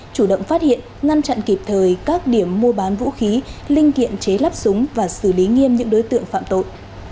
chủ động phát hiện ngăn chặn kịp thời các điểm mua bán vũ khí linh kiện chế lắp súng và xử lý nghiêm những đối tượng phạm tội